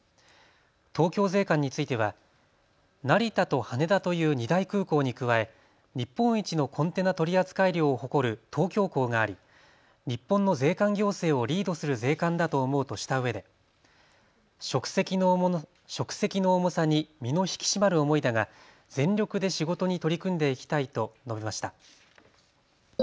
東京税関については成田と羽田という二大空港に加え日本一のコンテナ取扱量を誇る東京港があり、日本の税関行政をリードする税関だと思うとしたうえで職責の重さに身の引き締まる思いだが全力で仕事に取り組んでいきたいと述べました。